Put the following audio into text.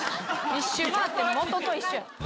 一周回って元と一緒や。